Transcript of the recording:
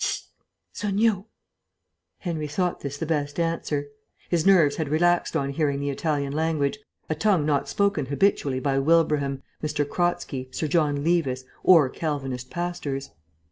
"Sst! son'io." Henry thought this the best answer. His nerves had relaxed on hearing the Italian language, a tongue not spoken habitually by Wilbraham, M. Kratzky, Sir John Levis, or Calvinist pastors.